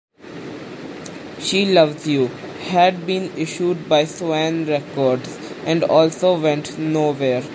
"She Loves You" had been issued by Swan Records and also went nowhere.